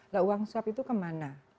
nah uang suap itu kemana